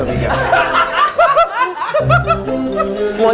ผมไม่เอาผมลาออกได้ไหมอ้าว